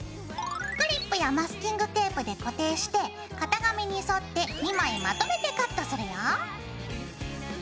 クリップやマスキングテープで固定して型紙に沿って２枚まとめてカットするよ。